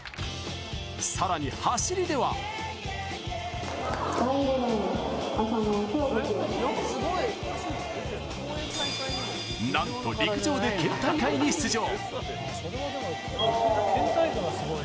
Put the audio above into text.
更に、走りではなんと陸上で県大会に出場。